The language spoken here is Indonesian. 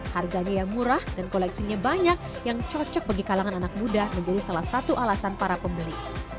harganya yang murah dan koleksinya banyak yang cocok bagi kalangan anak muda menjadi salah satu alasan para pembeli